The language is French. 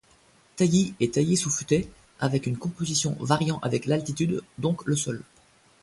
Taillis et taillis sous futaie, avec une composition variant avec l'altitude, donc le sol.